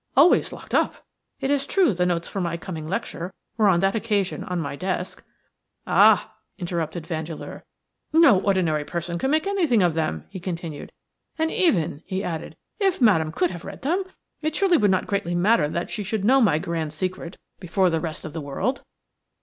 "Always locked up. It is true the notes for my coming lecture were on that occasion on my desk." "Ah!" interrupted Vandeleur. "No ordinary person could make anything of them," he continued, "and even," he added, "if Madame could have read them, it surely would not greatly matter that she should know my grand secret before the rest of the world."